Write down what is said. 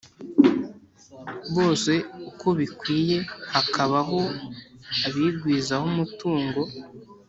bose uko bikwiye, hakabaho abigwizaho umutungo,